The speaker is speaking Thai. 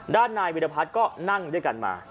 ด้านนายวิทยาภาษณ์ก็นั่งด้วยกันมา